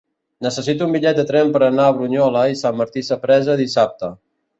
Necessito un bitllet de tren per anar a Brunyola i Sant Martí Sapresa dissabte.